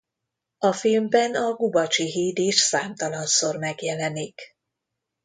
A filmben a Gubacsi híd is számtalanszor megjelenik.